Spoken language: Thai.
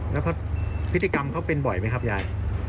แล้วก็พฤติกรรมเขาเป็นบ่อยไหมครับยาย